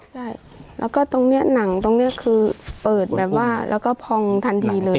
ใช่แล้วก็ตรงเนี้ยหนังตรงนี้คือเปิดแบบว่าแล้วก็พองทันทีเลย